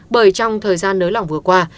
bởi trong thời gian nới lỏng vừa qua